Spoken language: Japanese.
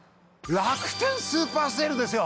楽天スーパーＳＡＬＥですよ！